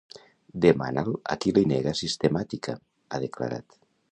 Demani’l a qui li nega sistemàtica, ha declarat.